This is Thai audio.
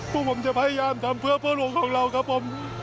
พวกผมจะพยายามทำเพื่อเพื่อหลวงของเราครับผม